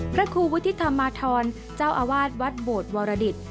พระครูวุฒิธรรมธรเจ้าอาวาสวัดโบดวรดิต